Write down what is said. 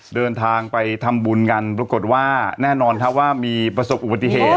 เดินทางไปทำบุญกันปรากฏว่าแน่นอนครับว่ามีประสบอุบัติเหตุ